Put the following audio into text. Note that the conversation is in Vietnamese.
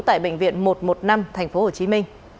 tại bệnh viện một trăm một mươi năm tp hcm